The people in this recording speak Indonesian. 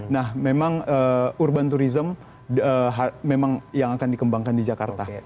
nah memang urban tourism memang yang akan dikembangkan di jakarta